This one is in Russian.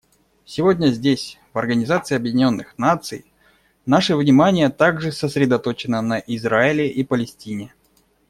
Сегодня здесь, в Организации Объединенных Наций, наше внимание также сосредоточено на Израиле и Палестине.